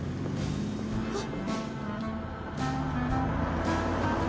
あっ。